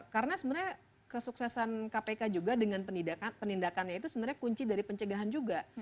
karena sebenarnya kesuksesan kpk juga dengan penindakan itu sebenarnya kunci dari pencegahan juga